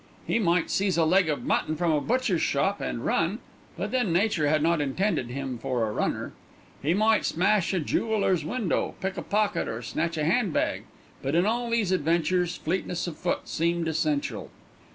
He might seize a leg of mutton from a butcher's shop and run; but then Nature had not intended him for a runner. He might smash a jeweller's window, pick a pocket, or snatch a handbag; but in all these adventures fleetness of foot seemed essential.